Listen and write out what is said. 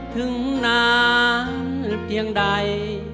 ถึงนานเพียงใด